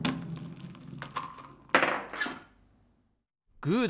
グーだ！